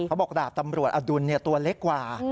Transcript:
เขาบอกดาบตำรวจอดุลตัวเล็กกว่า